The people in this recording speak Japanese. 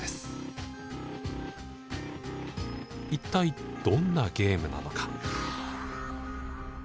一体どんなゲームなのか？